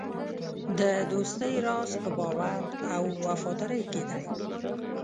د دوستۍ راز په باور او وفادارۍ کې دی.